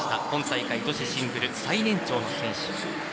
今大会女子シングル最年長の選手。